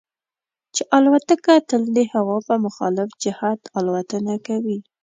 چې الوتکه تل د هوا په مخالف جهت الوتنه کوي.